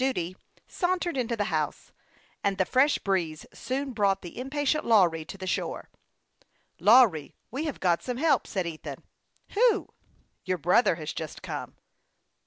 121 duty, sauntered into the house ; and the fresh hreeze soon brought the impatient Lawry to the shore. " Lawry, AVG have got some help," said Ethan. " Who ?"" Your brother has just come."